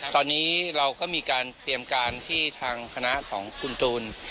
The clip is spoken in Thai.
ตอนนี้เราก็มีการเตรียมการที่ทางคณะของคุณตูน